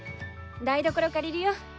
台所借りるよ。